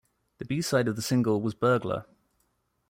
The B-side of the single was "Burglar".